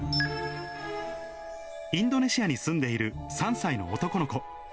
インドネシアに住んでいる３歳の男の子。